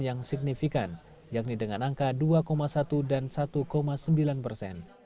yang signifikan yakni dengan angka dua satu dan satu sembilan persen